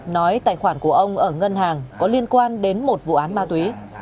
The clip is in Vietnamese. nói tài khoản của ông ở ngân hàng có liên quan đến một vụ án ma túy